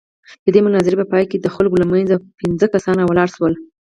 د دې مناظرې په پاى کښې د خلقو له منځه پينځه کسان راولاړ سول.